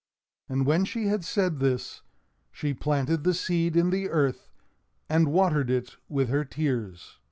And when she had said this, she planted the seed in the earth and watered it with her tears.